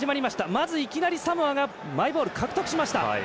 まず、いきなりサモアがマイボールを獲得しました。